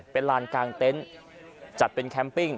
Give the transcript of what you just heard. เป็นลานกลางเต็นต์จัดเป็นแคมปิ้ง